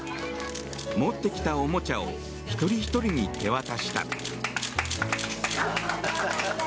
持ってきたおもちゃを一人ひとりに手渡した。